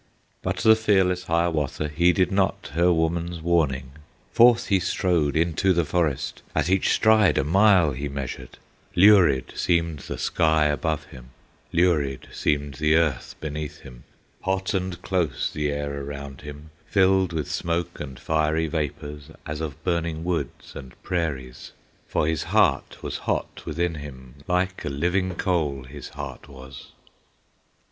But the fearless Hiawatha Heeded not her woman's warning; Forth he strode into the forest, At each stride a mile he measured; Lurid seemed the sky above him, Lurid seemed the earth beneath him, Hot and close the air around him, Filled with smoke and fiery vapors, As of burning woods and prairies, For his heart was hot within him, Like a living coal his heart was.